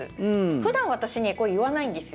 普段、私ね、言わないんですよ。